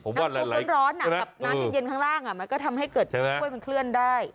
น้ำคุกอะไรอย่างเย็นคล้ายหลากมันก็ทำให้เกิดเพิ่งข้าวมันเคลื่อนได้